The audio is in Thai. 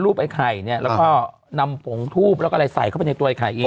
ไอ้ไข่เนี่ยแล้วก็นำผงทูบแล้วก็อะไรใส่เข้าไปในตัวไอไข่เอง